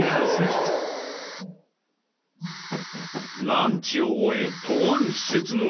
［ランチを終え］